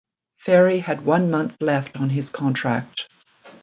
Ferry had one month left on his contract.